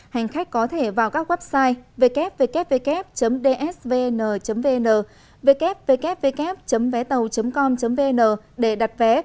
hành khách có thể vào các website www dsvn vn www vétau com vn để đặt vé